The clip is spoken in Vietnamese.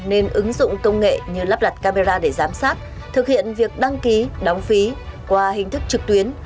nên ứng dụng công nghệ như lắp đặt camera để giám sát thực hiện việc đăng ký đóng phí qua hình thức trực tuyến